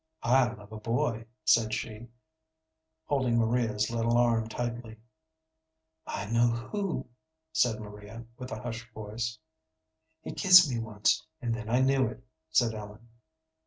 "I love a boy," said she, holding Maria's little arm tightly. "I know who," said Maria, with a hushed voice. "He kissed me once, and then I knew it," said Ellen.